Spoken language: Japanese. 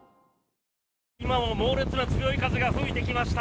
今も猛烈な強い風が吹いてきました。